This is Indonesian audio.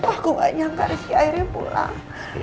aku gak nyangka rizki akhirnya pulang